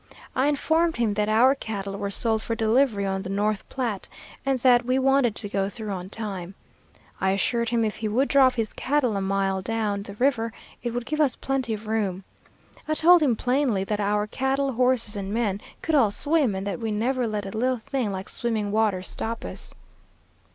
I informed him that our cattle were sold for delivery on the North Platte, and that we wanted to go through on time. I assured him if he would drop his cattle a mile down the river, it would give us plenty of room. I told him plainly that our cattle, horses, and men could all swim, and that we never let a little thing like swimming water stop us.